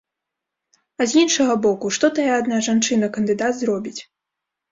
А з іншага боку, што тая адна жанчына-кандыдат зробіць?